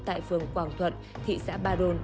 tại phường quảng thuận thị xã ba đồn